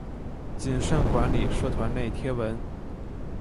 谨慎管理社团内贴文